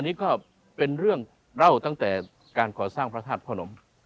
นี่ก็เป็นเรื่องเล่าตั้งแต่การก่อสร้างพระธาตุพระนม